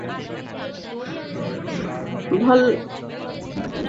ভলফসবুর্গের হয়ে German cup জেতা Luis গুস্তাভোও আছেন দুঙ্গার মাঝমাঠের পরিকল্পনায়।